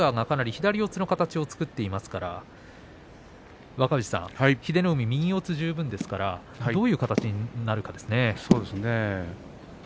今場所は天空海左四つの形を作っていますから若藤さん、英乃海右四つ十分ですからどういう形になるかですね。